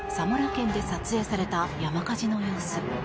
県で撮影された山火事の様子。